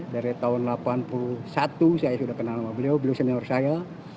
dari tahun seribu sembilan ratus delapan puluh satu saya sudah kenal sama beliau beliau senior saya